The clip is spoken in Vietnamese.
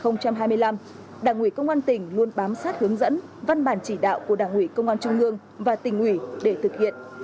năm hai nghìn hai mươi hai nghìn hai mươi năm đảng ủy công an tỉnh luôn bám sát hướng dẫn văn bản chỉ đạo của đảng ủy công an trung ương và tỉnh ủy để thực hiện